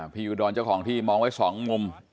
พี่อุดรเจ้าของที่มองไว้๒มุม